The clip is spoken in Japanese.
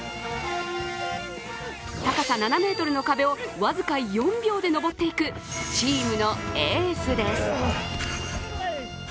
高さ７ｍの壁を僅か４秒で登っていくチームのエースです。